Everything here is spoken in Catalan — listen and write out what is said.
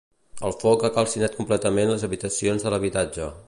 El foc ha calcinat completament les habitacions de l'habitatge.